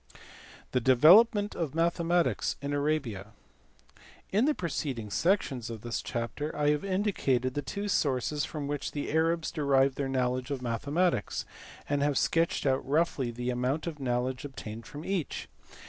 Tlie development of mathematics in Arabia*. In the preceding sections of this chapter I have indicated the two sources from which the Arabs derived their knowledge of mathematics, and have sketched out roughly the amount of knowledge obtained from each.